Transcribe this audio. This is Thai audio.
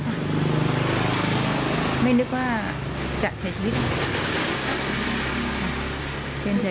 คือส่วนเขาเองเขาคิดแค่ว่าตอนช่วงจังหวัดนั้นคือเขาป้องกันตัว